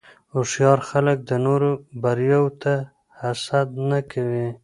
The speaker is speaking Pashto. هوښیار خلک د نورو بریاوو ته حسد نه کوي.